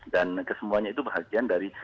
dan kesemuanya itu bahagian dari